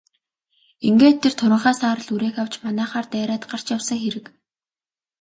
Ингээд тэр туранхай саарал үрээг авч манайхаар дайраад гарч явсан хэрэг.